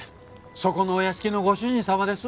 そこのお屋敷のご主人様です。